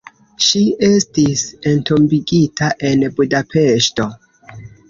Ŝi estis entombigita en Budapeŝto.